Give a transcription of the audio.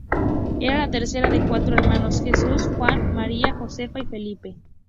Era la tercera de cuatro hermanos: Jesús, Juan, María Josefa y Felipe.